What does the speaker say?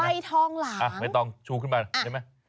ใบทองหลางไม่ต้องชูขึ้นมาใช่ไหม